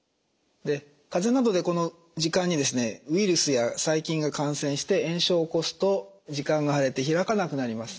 風邪などでこの耳管にウイルスや細菌が感染して炎症を起こすと耳管が腫れて開かなくなります。